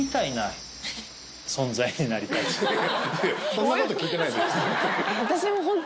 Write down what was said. そんなこと聞いてないのよ。